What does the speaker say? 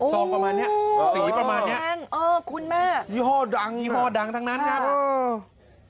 สองประมาณนี้สีประมาณนี้อีห้อดังทั้งนั้นครับเออคุ้นมาก